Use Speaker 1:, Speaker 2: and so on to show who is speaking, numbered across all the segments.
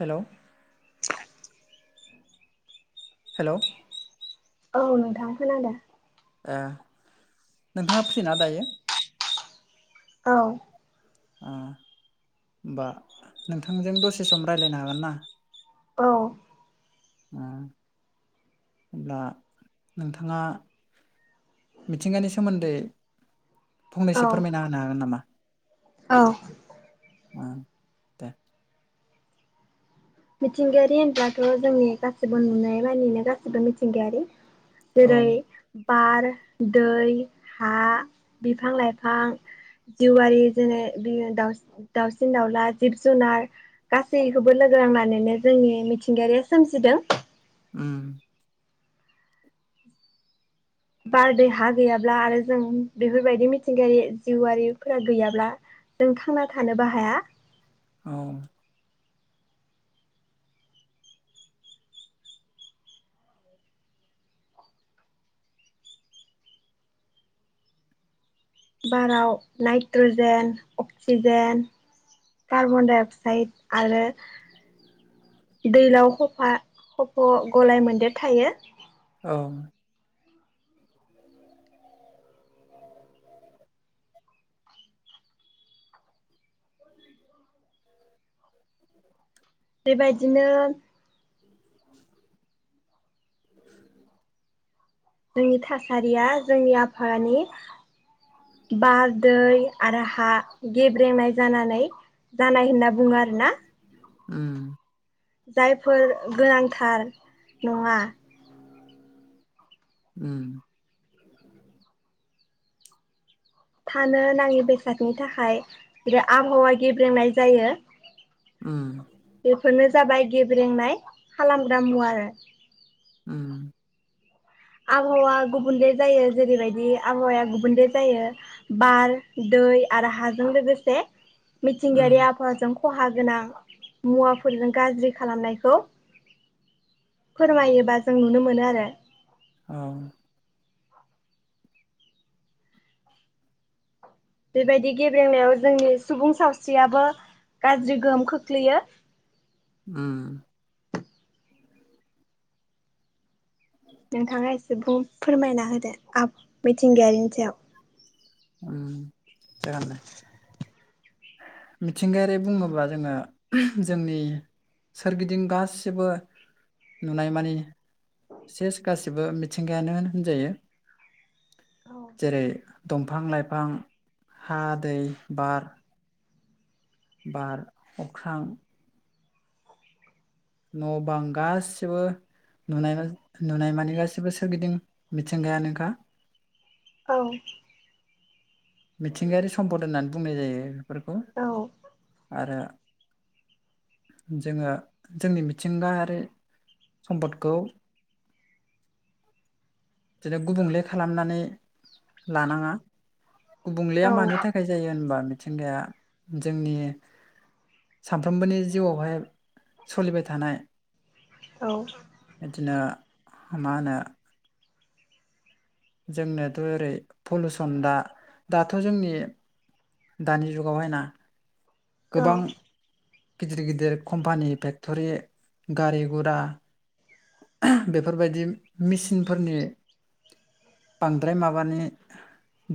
Speaker 1: Hello hello
Speaker 2: औ नोंथां खोनादों।
Speaker 1: ओ नोंथाङा फ्रिना दायो?
Speaker 2: औ
Speaker 1: ओ होमबा नोंथांजों दसे सम रायलायनो हागोन ना?
Speaker 2: औ
Speaker 1: होनब्ला नोंथाङा मिथिंगानि सोमोन्दै
Speaker 2: औ
Speaker 1: फंनैसो फोरमायना होनो हागोन नामा
Speaker 2: औ
Speaker 1: [inaudible]
Speaker 2: मिथिंगायारि होनब्लाथ' जोंनि गासिबो नुनाय मानिनो गासिबो मिथिंगायारि
Speaker 1: औ
Speaker 2: जेरै बार दै हा बिफां लाइफां जिउआरि जेनै बि दाउसिन दाउला जिब जुनार गासैखौबो लोगो लोगोनांनानैनो जोंनि मिथिंगायारिया सोमजिदों
Speaker 1: उम
Speaker 2: बारदै हा गैयाब्ला आरो जों बेफोरबायदि मिथिंगायारि जिउआरारिफोरा गैयाब्ला जों थांना थानोबो हाया
Speaker 1: औ
Speaker 2: बाराव नाइट्रजेन अक्सिजेन कार्बनडाइ अक्साइड आरो दैलाव खफा खफ' गलाय मोन्देर थायो
Speaker 1: औ
Speaker 2: बेबायदिनो
Speaker 1: [inaudible]
Speaker 2: जोंनि थासारिया जोंनि आबहावानि बार दै आरो हा गेब्रेंनाय जानानै जानाय होनना बुंङो आरोना
Speaker 1: उम
Speaker 2: जाइ फोर गोनांथार नंङा
Speaker 1: [inaudible]
Speaker 2: थानो नाङि बेसादनि थाखाय बि आबहावा गेब्रेंनाय जायो
Speaker 1: उम
Speaker 2: बेफोरनो जाबाय गेब्रेंनाय खालामग्रा मुवा आरो।
Speaker 1: उम
Speaker 2: आबहावा गुबुनले जायो। जेरैबायदि आबहावाया गुबुंले जायो। बार दै आरो हाजों लोगोसे
Speaker 1: उम
Speaker 2: मिथिंगारिया आबहावाजों खहा गोनां मुवाफोरजों गाज्रि खालामनायखौ फोरमायोबा जों नुनो मोनो आरो।
Speaker 1: औ
Speaker 2: बेबायदि गेबेंनायाव जोंनि सुबुं सावस्रियाबो गाज्रि गोहोम खोख्लैयो।
Speaker 1: उम
Speaker 2: नोंथाङा एसे बुं फोरमायना होदो आब मिथिंगायारिनि सायाव।
Speaker 1: उम जागोन दे मिथिंगायारि बुङोब्ला जोङो जोंनि सोरगिदिं गासिबो नुनाय मानि सेस गासिबो मिथिंगायानो होनजायो जेरै दं फां लाइफां, हा, दै, बार बार, अख्रां न' बां गाससिबो नुनाय नुनाय मानि गाससिबो सोरगिदिं मिथिंगायानोखा
Speaker 2: औ।
Speaker 1: मिथिंगायारि सम्पद होननानै बुंनाय जायो। बेरफोरखौ
Speaker 2: औ
Speaker 1: आरो जोङो जोंनि मिथिंगायारि सम्पदखौ बिदिनो गुबुंले खालामनानै लानाङा
Speaker 2: औ
Speaker 1: गुबुंलेया मानि थाखाय जायो होनबा मिथिंगाया जोंनि सानफ्रोमबोनि जिउआवहाय सोलिबाय थानाय
Speaker 2: औ
Speaker 1: बिनो माहोनो जोंनोथ' ओरै पलुउसन दा दाथ' जोंनि दानि जुगावहायना गोबां गिदिर गिदिर कम्पानि फेक्टरि गारि गुरा बेफोरबायदि मेसिनफोरनि बांद्राय माबानि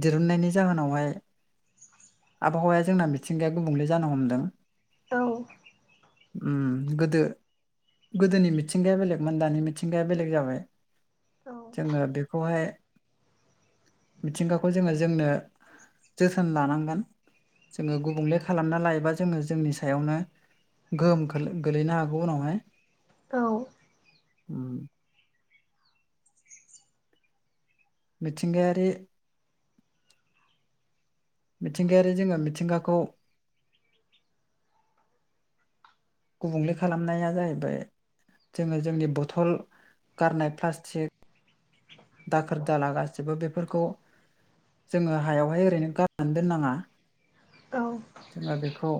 Speaker 1: दिरुननायनि जाहोनावहाय आबहावाया जोंना मिथिंगाया गुबुंले जानो हमदों।
Speaker 2: औ
Speaker 1: उम गोदो गोदोनि मिथिंगाया बेलेगमोन दानि मिथिंगाया बेलेग जाबाय। जोङो बेखौहाय मिथिंगाखौ जोङो जोंनो जोथोन लानांगोन। जोङो गुबुंले खालामना लायोबा जोङो जोंनि सायावनो गोहोम गोलैनो हागौ उनावहाय।
Speaker 2: औ
Speaker 1: उम मिथिंगारि मिथिंगायारि जोङो मिथिंगाखौ गुबुंले खालामनाया जाहैबाय जोङो जोंनि बथल गारनाय प्लास्टिक दाखोर दाला गासैबो बेफोरखौ जोङो हायावहाय ओरैनो गारनानै दोननाङा
Speaker 2: औ
Speaker 1: जोङो बेखौ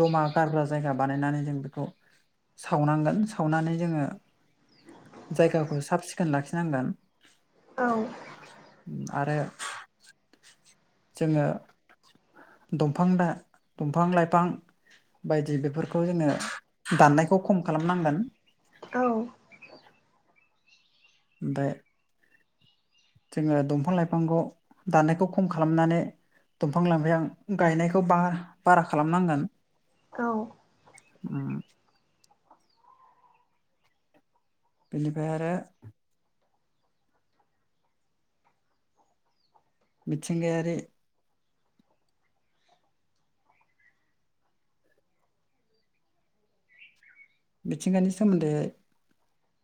Speaker 1: जमा गारग्रा जायगा बानायनानै जों बेखौ सावनांगोन सावनानै जोंङो जायगाखौ साब सिखोन लाखिनांगोन आरो जोंङो दंफां-दंफां लाइफां बायदि बेफोरखौ जोंङो दाननायखौ खम खालामनांगोन।
Speaker 2: औ
Speaker 1: ओमफाय जोंङो दंफां लाइफांखौ दाननायखौ खम खालामनानै दंफां लाइफां गायनायखौ बा-बारा खालामनांगोन।
Speaker 2: औ
Speaker 1: उम बिनिफ्राय आरो मिथिंगायारि मिथिंगानि सोमोन्दै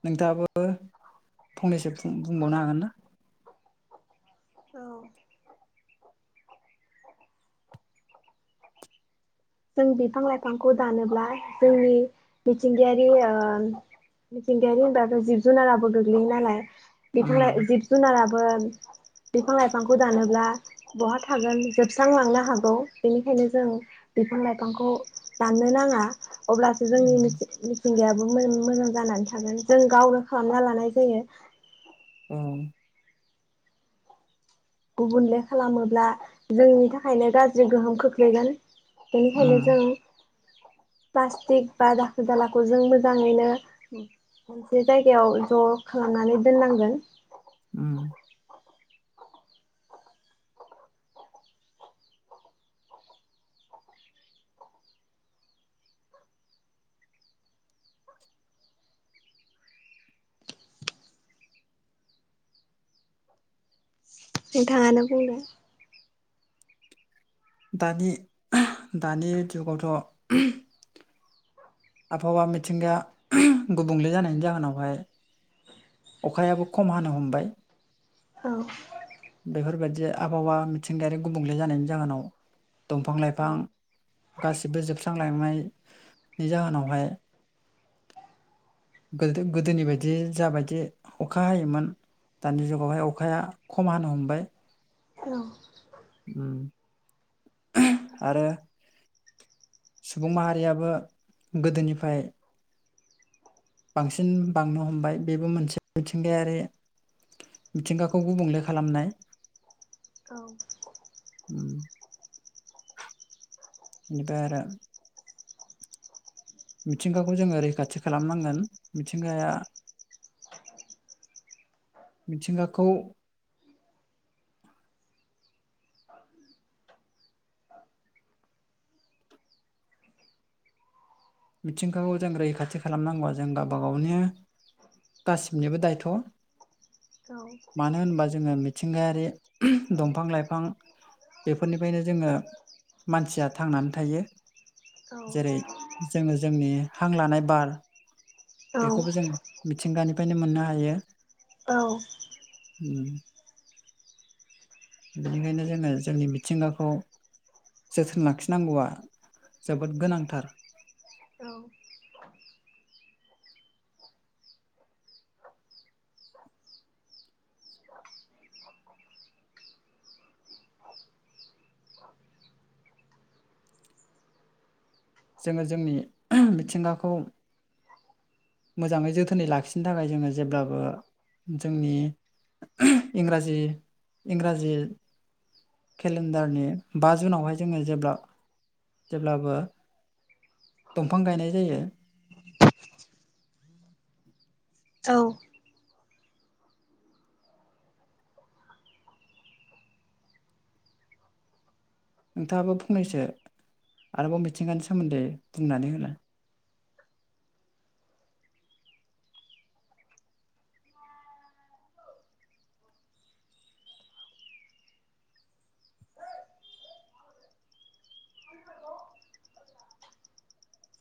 Speaker 1: नोंथांङाबो फंनैसो फुं-बुंबावनो हागोन ना?
Speaker 2: औ जों बिफां-लाइफांखौ दानोब्ला जोंनि मिथिंगायारि ओ मिथिंगायारि होनबा जिब जुनाराबो गोग्लैयो नालाय [unintelligible] जिब जुनाराब बोन बिफां लाइफांखौ दानोब्ला बहा थागोन जोबस्रांलांनो हागौ बेनिखायनो जों बिफां लाइफांखौ दाननो नांङा। अब्लासो जोंनि [unintelligible] थिंगायाबो मोन-मोजां जानानै थागोन जों गावनो खालामना लानाय जायो।
Speaker 1: औ
Speaker 2: गुबुनले खालामोब्ला जोंनि थाखायनो गाज्रि गोहोम खोख्लैगोन। बेनिखानो जों प्लास्टिक बा दाखोर दालाखौ जों मोजांङैनो मोनसे जायगायाव ज खालामनानै दोननांगोन।
Speaker 1: उम
Speaker 2: नोंथांङानो बुंदो।
Speaker 1: दानि-दानि जुगावथ आबहावा मिथिंगा गुबुंले जानायनि जाहोनावहाय अखायाबो खम हानो हमबाय।
Speaker 2: औ
Speaker 1: बेफोरबायदि आबहावा मिथिंगायारि गुबुंले जानायनि जाहोनाव
Speaker 2: औ
Speaker 1: दंफां-लाइफां गासिबो जोबस्रांलांनाय नि जाहोनावहाय गोदो गोदोनि बायदि जाबायदि अखा हायोमोन दानि जुगावहाय अखाया खम हानो हमबाय।
Speaker 2: औ
Speaker 1: उम आरो। सुबुं माहारियाबो गोदोनिफाय बांसिन बांनो हमबाय बेबो मोनसे मिथिंगायारि मिथिंगाखौ गुबुंले खालामनाय
Speaker 2: औ
Speaker 1: उम दा आरो मिथिंगाखौ जोंङो रैखाथि खालामनांगोन मिथिंगाया मिथिंगाखौ मिथिंगाखौ जों रैखाथि खालामनांगौ जों गावबा गावनो गासिनिबो दायथ मानो होनबा जोंङो मिथिंगायारि दंफां-लाइफां बेफोरनिफ्रायनो जोंङो मानसिया थांनानै थायो। जेरै जोंनि हां लानाय बार बेखौबो जों मिथिंगानिफायनो मोनना हायो।
Speaker 2: औ
Speaker 1: उम बेनिखायनो जोङो जोंनि मिथिंगाखौ जोथोन लाखिनांगौआ जोबोद गोनांथार। जोङो जोंनि मिथिंगाखौ मोजाङै जोथोनै लाखिनो थाखाय जोङो जेब्लाबो जोंनि इंराजि इंराजि केलेन्डारनि बा जुनावहाय जोङो जेब्ला जेब्लाबो दंफां गायनाय जायो।
Speaker 2: औ
Speaker 1: नोंथाङाबो फंनैसो आरोबाव मिथिंगानि सोमोन्दै बुंनानै होलाय।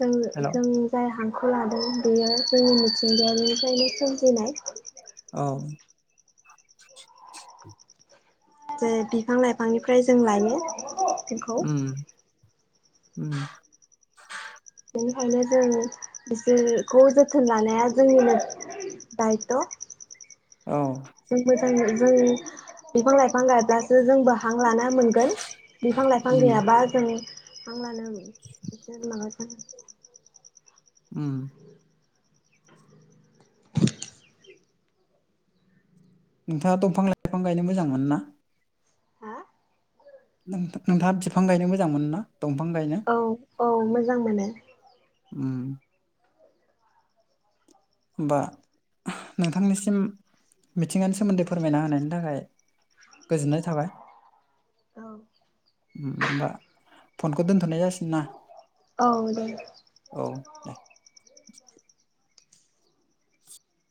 Speaker 2: जों
Speaker 1: हेल'
Speaker 2: जों जाय हांखौ ला उन्दैयो जोंनि मिथिंगानिफ्रायनो सोमजिनाय
Speaker 1: औ
Speaker 2: जे बिफां लाइफांनिफ्राय जों लायो। बेखौ
Speaker 1: उम उम
Speaker 2: बेनिखायनो जों बिसोरखौ जोथोन लानाया जोंनिनो दायथ'। जों मोजाङै जों बिफां लाइफां गायब्लासो जोंबो हां लाना मोनगोन बिफां लाइफां
Speaker 1: उम
Speaker 2: गैयाबा जों हां लानो बिसोर माबाजानो
Speaker 1: उम नोंथाङा दंफां लाइफां गायनो मोजां मोनो ना?
Speaker 2: हा
Speaker 1: नोंथां नोंथाङा बिफां गायनो मोजां मोनो ना? दंफां गायनो?
Speaker 2: औ औ मोजां मोनो।
Speaker 1: उम होमबा नोंथांनिसिम मिथिंगानि सोमोन्दै फोरमायना होनायनि थाखाय गोजोननाय थाबाय।
Speaker 2: औ
Speaker 1: उम बा फनखौ दोन थ'नाय जासिगोन ना
Speaker 2: औ दे
Speaker 1: औ दे। [inaudible]